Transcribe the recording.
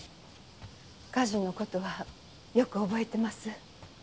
火事の事はよく覚えてます。